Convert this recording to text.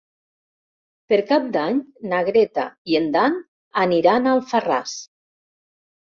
Per Cap d'Any na Greta i en Dan aniran a Alfarràs.